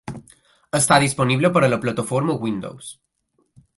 Està disponible per a la plataforma Windows.